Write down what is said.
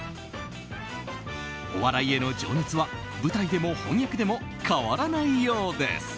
お笑いへの情熱は舞台でも翻訳でも変わらないようです。